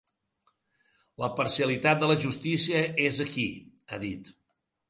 La parcialitat de la justícia és aquí, ha dit.